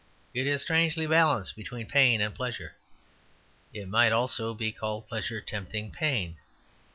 It is strangely balanced between pain and pleasure; it might also be called pleasure tempting pain.